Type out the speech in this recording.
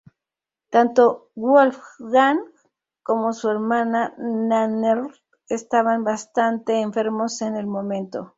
Tanto Wolfgang como su hermana Nannerl estaban bastante enfermos en el momento.